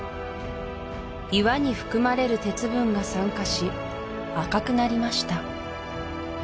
岩に含まれる鉄分が酸化し赤くなりました